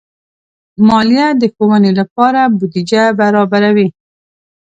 مالیه د ښوونې لپاره بودیجه برابروي.